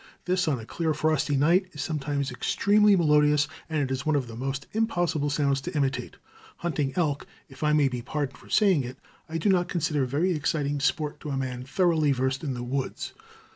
This, on a clear, frosty night, is sometimes extremely melodious, and it is one of the most impossible sounds to imitate. Hunting elk, if I may be pardoned for saying it, I do not consider very exciting sport to a man thoroughly versed in the woods.